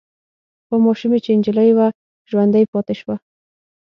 خو ماشوم يې چې نجلې وه ژوندۍ پاتې شوه.